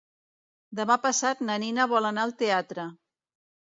Demà passat na Nina vol anar al teatre.